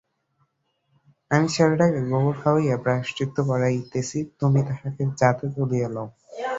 আমি ছেলেটিকে গোবর খাওয়াইয়া প্রায়শ্চিত্ত করাইতেছি, তোমরা তাহাকে জাতে তুলিয়া লও।